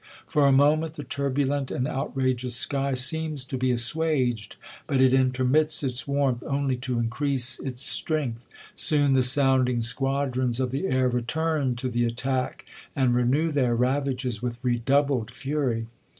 For a moment, the turbulent and outrageous sky seems to be assuaged ; but it intermits its warmth, only to increase its strength. Soon the sounding squadrons of the air return to the attack, and renew their ravages with redoubled fury.